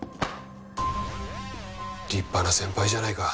立派な先輩じゃないか。